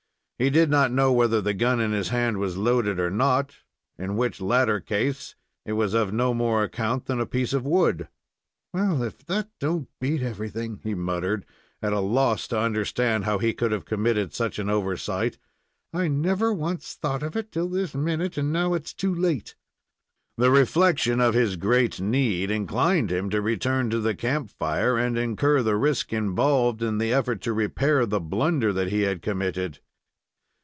He did not know whether the gun in his hand was loaded or not, in which latter case it was of no more account than a piece of wood. "Well, if that don't beat everything," he muttered, at a loss to understand how he could have committed such an oversight. "I never once thought of it till this minute, and now it's too late!" The reflection of his great need inclined him to return to the camp fire and incur the risk involved in the effort to repair the blunder that he had committed.